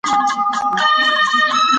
هغې په غوسه ځواب ورکړ.